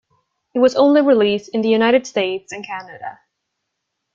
It was only released in the United States and Canada.